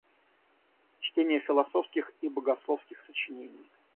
Чтение философских и богословских сочинений.